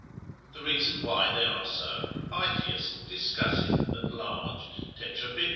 The reason why they are so, Aetius discusseth at large, Tetrabib.